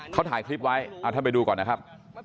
เขาถ่ายคลิปไว้ท่านไปดูก่อนนะครับ